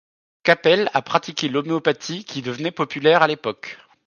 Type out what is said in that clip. Capell a pratiqué l'Homéopathie qui devenait populaire à l'époque.